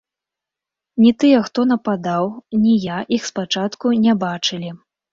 Ні тыя, хто нападаў, ні я іх спачатку не бачылі.